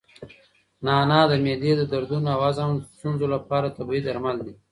نعناع د معدې د دردونو او د هضم د ستونزو لپاره طبیعي درمل دي.